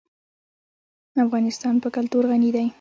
افغانستان په کلتور غني دی.